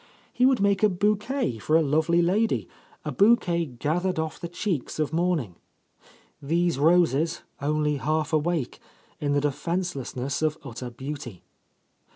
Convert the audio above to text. He would make a bouquet for a lovely lady; a bouquet gathered off the cheeks of morn ing ... these roses, only half awake, in the de fencelessness of utter beauty.